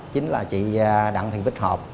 chính là chị đặng thịnh bích họp